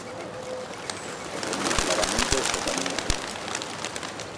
E poñía claramente o camiño a seguir.